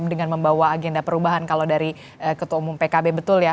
dengan membawa agenda perubahan kalau dari ketua umum pkb betul ya